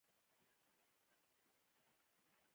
د سارا ژړاګانې دروغ وې.